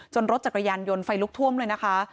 รถจักรยานยนต์ไฟลุกท่วมเลยนะคะ